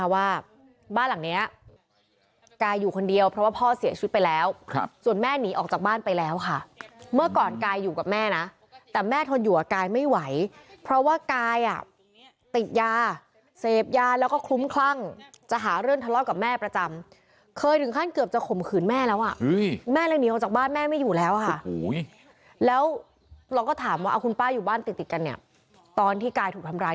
ว่าบ้านหลังเนี้ยกายอยู่คนเดียวเพราะว่าพ่อเสียชีวิตไปแล้วส่วนแม่หนีออกจากบ้านไปแล้วค่ะเมื่อก่อนกายอยู่กับแม่นะแต่แม่ทนอยู่กับกายไม่ไหวเพราะว่ากายติดยาเสพยาแล้วก็คลุ้มคลั่งจะหาเรื่องทะเลาะกับแม่ประจำเคยถึงขั้นเกือบจะข่มขืนแม่แล้วอ่ะแม่เลยหนีออกจากบ้านแม่ไม่อยู่แล้วค่ะแล้วเราก็ถามว่าเอาคุณป้าอยู่บ้านติดติดกันเนี่ยตอนที่กายถูกทำร้าย